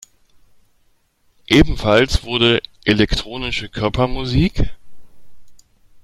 Ebenfalls wurde "Elektronische Körper-Musik?